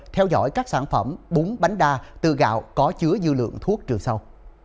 theo dõi các sản phẩm bún bánh đa từ gạo có chứa dư lượng thuốc trừ sâu